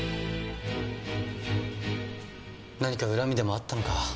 何か恨みでもあったのか？